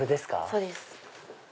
そうです。